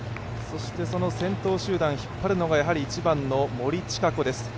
先頭集団を引っ張るのが１番の森智香子です。